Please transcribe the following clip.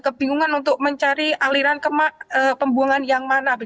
kebingungan untuk mencari aliran pembuangan yang mana